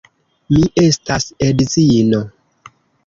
Mi estas edzino.